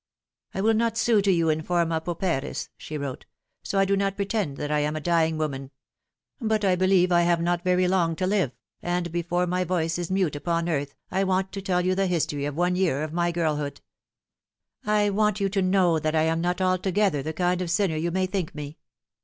" I will not sue to you in forma pauperis" she wrote, " so I do not pretend that I am a dying woman ; but I believe I have not very long to live, and before my voice is mute upon earth I want to tell you the history of one year of my girlhood. I want you to know that I am not altogether the kind of sinner you may think me.